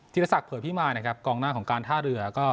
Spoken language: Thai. จิตศักดิ์เผิดพี่มายนะครับกองหน้าของการท่าเรือ